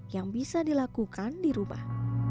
yang bisa dilakukan di rumah